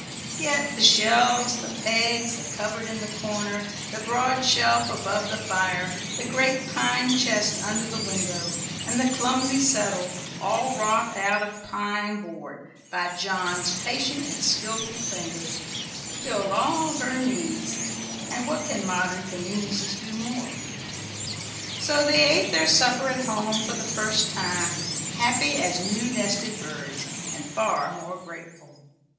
Yet the shelves, the pegs, the cupboard in the corner, the broad shelf above the fire, the great pine chest under the window, and the clumsy settle, all wrought out of pine board by John's patient and skilful fingers, filled all her needs; and what can modern conveniences do more? So they ate their supper at home for the first time, happy as new nested birds, and far more grateful.